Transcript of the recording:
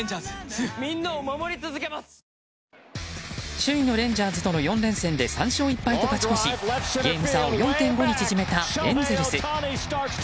首位のレンジャーズとの４連戦で３勝１敗と勝ち越しゲーム差を４．５に縮めたエンゼルス。